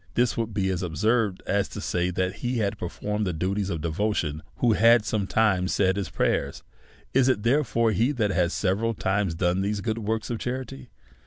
This would be as absurd as to say that he had performed the du ties of devotion who had sometimes said his prayers. Is it, therefore, he that has several times done these works of charity